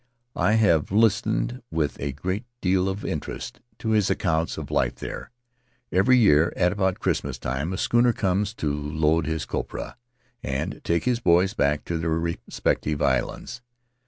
I have listened with a great deal of interest to his accounts of the life there. Every year, at about Christmas time, a schooner comes to load his copra and take his boys back to their respective islands.